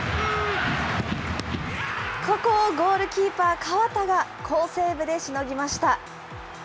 ここをゴールキーパー、河田が好セーブでしのぎました。